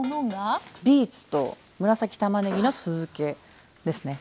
ビーツと紫たまねぎの酢漬けですね。